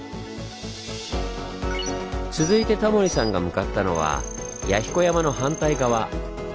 続いてタモリさんが向かったのは弥彦山の反対側。